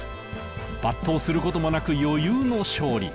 抜刀することもなく余裕の勝利。